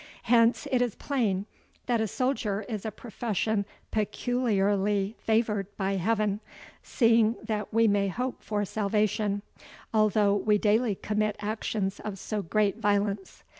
Hence it is plain, that a soldier is a profession peculiarly favoured by Heaven, seeing that we may hope for salvation, although we daily commit actions of so great violence.